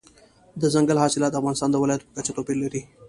دځنګل حاصلات د افغانستان د ولایاتو په کچه توپیر لري.